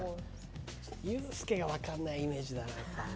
ユースケが分からないイメージだな。